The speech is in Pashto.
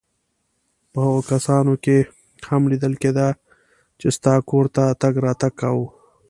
په هغو کسانو کې هم لیدل کېده چا ستا کور ته تګ راتګ کاوه.